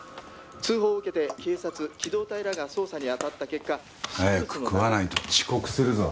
「通報を受けて警察機動隊らが捜査に当たった結果」早く食わないと遅刻するぞ。